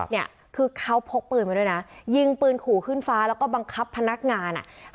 เนี่ยคือเขาพกปืนมาด้วยนะยิงปืนขู่ขึ้นฟ้าแล้วก็บังคับพนักงานอ่ะ